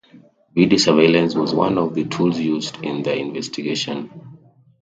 Video surveillance was one of the tools used in the investigation.